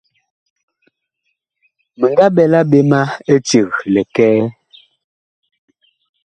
Mi nga ɓɛla ɓe ma éceg likɛɛ.